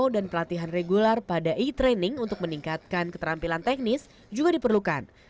dan pelatihan regular pada e training untuk meningkatkan keterampilan teknis juga diperlukan